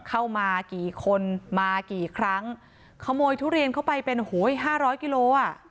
เข้ามากี่คนมากี่ครั้งขโมยทุเรียนเข้าไปเป็นหูยห้าร้อยกิโลอ่ะ